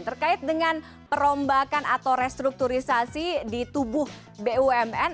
terkait dengan perombakan atau restrukturisasi di tubuh bumn